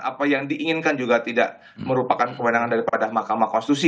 apa yang diinginkan juga tidak merupakan kewenangan daripada mahkamah konstitusi